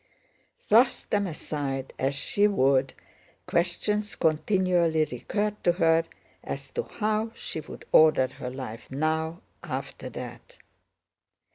Thrust them aside as she would, questions continually recurred to her as to how she would order her life now, after that.